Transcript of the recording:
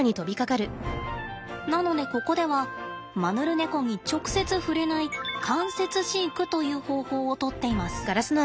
なのでここではマヌルネコに直接触れない間接飼育という方法をとっています。